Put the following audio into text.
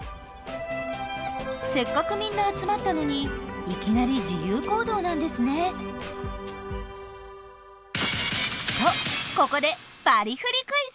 せっかくみんな集まったのにいきなり自由行動なんですね。とここでバリフリ・クイズ。